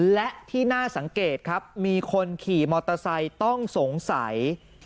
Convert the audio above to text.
และที่น่าสังเกตครับมีคนขี่มอเตอร์ไซค์ต้องสงสัย